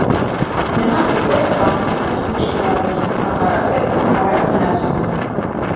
Նման զիպերը պահանջում է զգույշ կիրառություն, հակառակ դեպքում արագ վնասվում է։